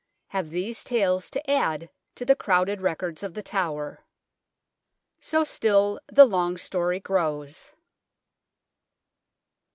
have these tales to add to the crowded records of The Tower. So still the long story grows.